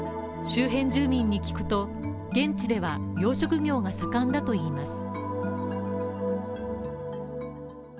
周辺住民に聞くと、現地では養殖業が盛んだといいます。